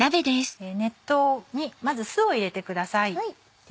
熱湯にまず酢を入れてください。